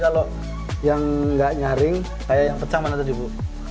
kalau yang nggak nyaring kayak yang pecah mana tadi bu